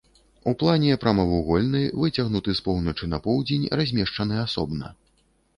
У плане прамавугольны, выцягнуты з поўначы на поўдзень, размешчаны асобна.